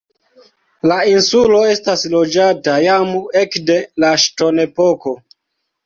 La insulo estas loĝata jam ekde la ŝtonepoko.